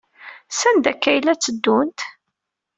Sanda akka ay la tteddunt?